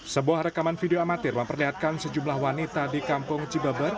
sebuah rekaman video amatir memperlihatkan sejumlah wanita di kampung cibaber